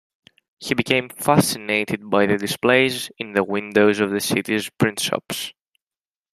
He became fascinated by the displays in the windows of the city's print shops.